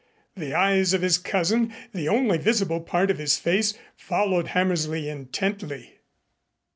The eyes of his cousin, the only visible part of his face, followed Hammersley intently.